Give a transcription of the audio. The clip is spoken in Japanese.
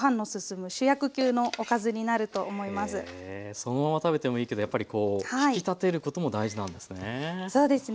そのまま食べてもいいけどやっぱりこう引き立てることも大事なんですね。